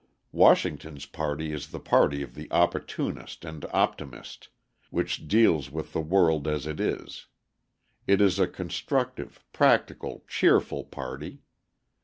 Washington's party is the party of the opportunist and optimist, which deals with the world as it is: it is a constructive, practical, cheerful party.